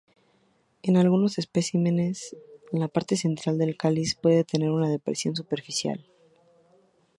En algunos especímenes, la parte central del cáliz puede tener una depresión superficial.